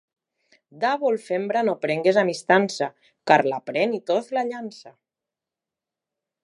D'àvol fembra no prengues amistança, car la pren i tost la llança.